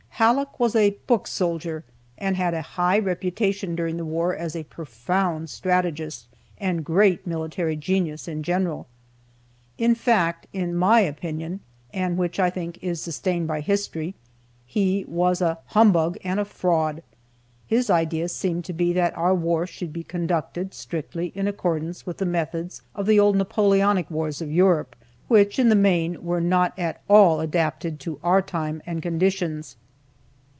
Halleck was a "book soldier," and had a high reputation during the war as a profound "strategist," and great military genius in general. In fact, in my opinion (and which, I think, is sustained by history), he was a humbug and a fraud. His idea seemed to be that our war should be conducted strictly in accordance with the methods of the old Napoleonic wars of Europe, which, in the main, were not at all adapted to our time and conditions.